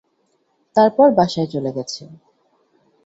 তারপর বাসায় চলে গেছে।